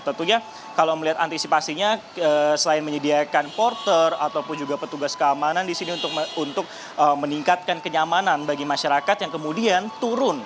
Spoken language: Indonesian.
tentunya kalau melihat antisipasinya selain menyediakan porter ataupun juga petugas keamanan di sini untuk meningkatkan kenyamanan bagi masyarakat yang kemudian turun